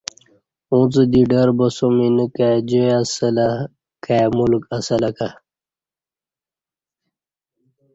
اُݩڅ دی ڈر باسُوم اینہ کائی جائ اسہ لہ ، کائ ملک اسلہ کہ